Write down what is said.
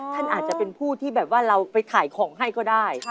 ท่านอาจจะเป็นผู้ที่แบบว่าเราไปถ่ายของให้ก็ได้